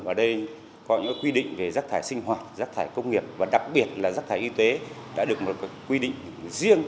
và đây có những quy định về rác thải sinh hoạt rác thải công nghiệp và đặc biệt là rác thải y tế đã được một quy định riêng